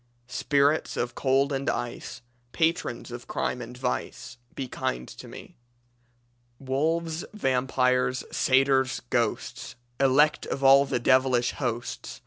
"Spirits of cold and ice, Patrons of crime and vice, Be kind to me. "Wolves, vampires, satyrs, ghosts! Elect of all the devilish hosts!